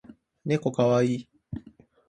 ねこかわいい